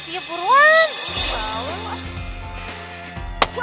gak ada apa apa